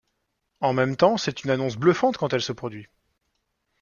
En même temps c'est une annonce bluffante quand elle se produit.